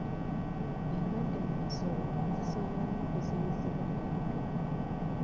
Endwadde mu nsolo zisobola n'okuziyizibwa nga tugema.